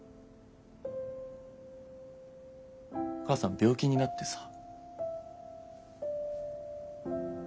母さん病気になってさ。